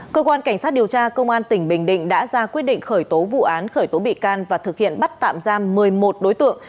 cơ quan cảnh sát điều tra công an tỉnh bình định đã ra quyết định khởi tố vụ án khởi tố bị can và thực hiện bắt tạm giam một mươi một đối tượng